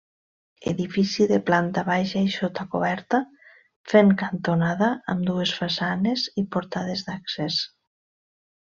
Edifici de planta baixa i sota-coberta, fent cantonada, amb dues façanes i portades d'accés.